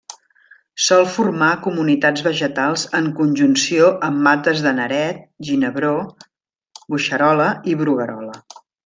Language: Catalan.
Sol formar comunitats vegetals en conjunció amb mates de neret, ginebró, boixerola i bruguerola.